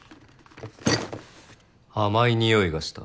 「甘い匂い」がした？